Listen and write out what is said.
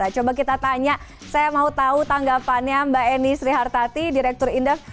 coba kita tanya saya mau tahu tanggapannya mbak eni srihartati direktur indef